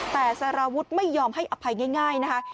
แต่สารวุฒิไม่ยอมให้อภัยง่ายนะคะ